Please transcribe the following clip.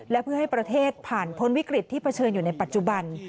และเพื่อให้ประเทศผ่านพ้นวิกฤตที่เผชิญอยู่ในปัจจุบัน